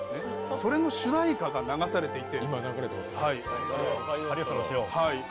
それの主題歌が流されていて。